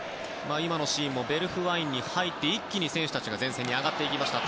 今のシーンもベルフワインに入って一気に選手たちが前線に上がっていきました。